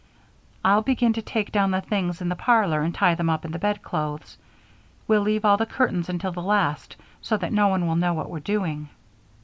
I'll begin to take down the things in the parlor and tie them up in the bedclothes. We'll leave all the curtains until the last so that no one will know what we're doing."